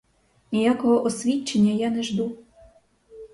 Ніякого освідчення я не жду.